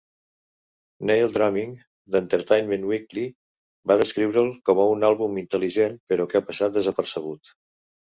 Neil Drumming d'"Entertainment Weekly" va descriure'l com "un àlbum intel·ligent, però que ha passat desapercebut".